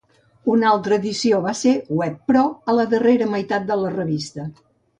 Una altra addició va ser "Web Pro" a la darrera meitat de la revista.